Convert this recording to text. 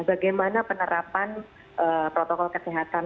bagaimana penerapan protokol kesehatan